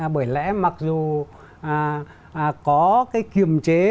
bởi lẽ mặc dù có cái kiềm chế